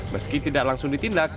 meski tidak langsung ditindak